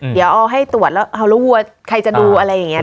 เดี๋ยวเอาให้ตรวจแล้วเอารู้วัวใครจะดูอะไรอย่างนี้